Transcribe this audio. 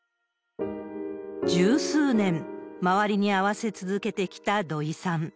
十数年、周りに合わせ続けてきた土居さん。